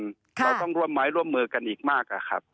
เราต้องร่วมไม้ร่วมมือกันอีกมากอะครับ